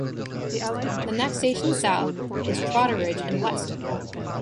The next station south is Totteridge and Whetstone.